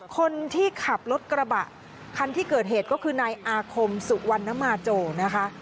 คนที่ขับรถกระบะคันที่เกิดเหตุก็คือนายอาคมสุวรรณมาโจนะคะ